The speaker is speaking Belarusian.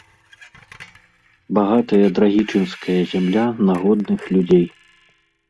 Багатая драгічынская зямля на годных людзей.